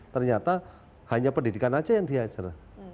ternyata hanya pendidikan saja yang diajar